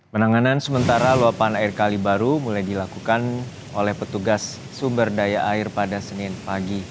penanganan sementara luapan air kali baru mulai dilakukan oleh petugas sumber daya air pada senin pagi